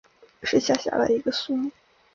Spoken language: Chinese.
是下辖的一个苏木。